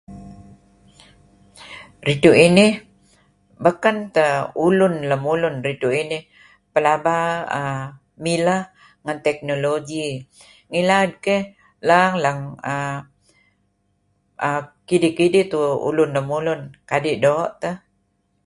Ridtu' inih, baken teh ulun lemulun ridtu' inih. Pelaba uhm mileh ngen teknologi. Ngilad keh lang-lang uhm kidih-kidih tah ulun narih mulun kadi' doo' tah.